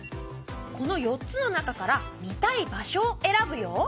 この４つの中から見たい場所を選ぶよ！